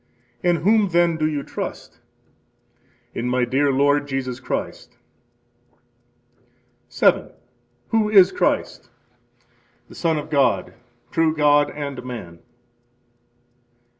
In whom then do you trust? In my dear Lord Jesus Christ. 7. Who is Christ? The Son of God, true God and man. 8.